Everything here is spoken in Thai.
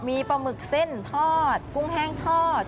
มีปลาหมึกเส้นทอดกุ้งแห้งทอด